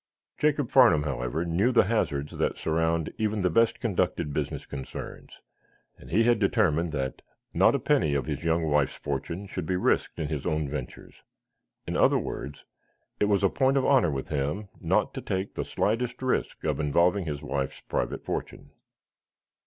Jacob Farnum, however, knew the hazards that surround even the best conducted business concerns, and he had determined that not a penny of his young wife's fortune should be risked in his own ventures. In other words, it was a point of honor with him not to take the slightest risk of involving his wife's private fortune.